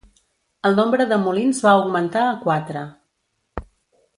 El nombre de molins va augmentar a quatre.